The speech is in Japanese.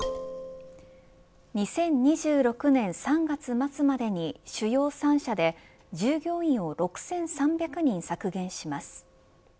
２０２６年３月末までに主要３社で従業員を６３００人削減します。